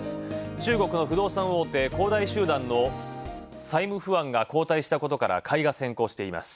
中国の不動産大手恒大集団の債務不安が後退したことから買いが先行しています。